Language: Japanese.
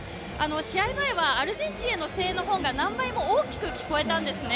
試合前は、アルゼンチンへの声援のほうが、何倍も大きく聞こえたんですね。